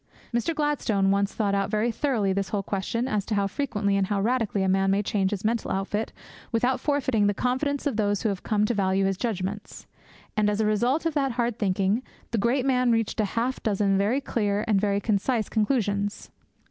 Mr. Gladstone once thought out very thoroughly this whole question as to how frequently and how radically a man may change his mental outfit without forfeiting the confidence of those who have come to value his judgements. And, as a result of that hard thinking, the great man reached half a dozen very clear and very concise conclusions.